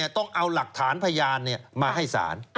ต้องเอาหลักฐานพยานมาให้ศาล